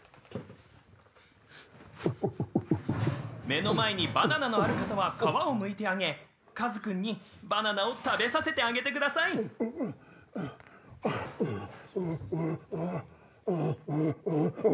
・目の前にバナナのある方は皮をむいてあげカズ君にバナナを食べさせてあげてください・ウウオホォオオオ。